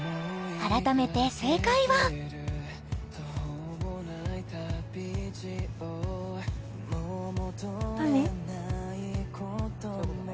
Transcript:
改めて正解は何？